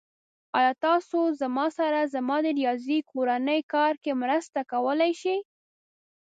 ایا تاسو زما سره زما د ریاضی کورنی کار کې مرسته کولی شئ؟